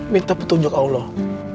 minta petunjuk allah